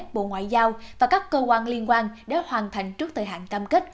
bộ ngoại giao và các cơ quan liên quan đã hoàn thành trước thời hạn cam kết